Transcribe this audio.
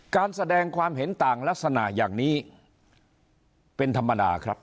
การแสดงความเห็นต่างลักษณะอย่างนี้เป็นธรรมดาครับ